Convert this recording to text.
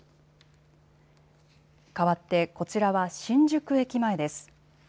かわってこちらは新宿駅前です。